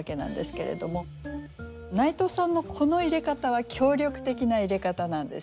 内藤さんのこの入れ方は協力的な入れ方なんですよね。